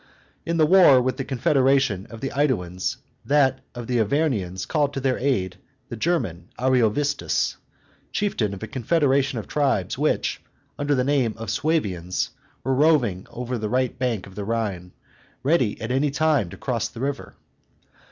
In the war with the confederation of the AEduans, that of the Arvernians called to their aid the German Ariovistus, chieftain of a confederation of tribes which, under the name of Suevians, were roving over the right bank of the Rhine, ready at any time to cross the river.